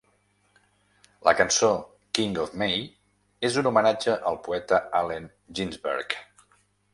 La cançó "King of May" és un homenatge al poeta Allen Ginsberg.